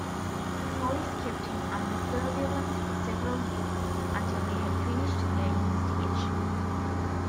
Police kept him under surveillance for several weeks, until they had finished their investigation.